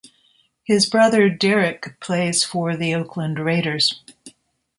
His brother, Derek plays for the Oakland Raiders.